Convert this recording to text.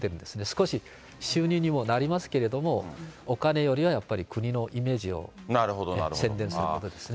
少し収入にもなりますけれども、お金よりは、やっぱり国のイメージを宣伝することですね。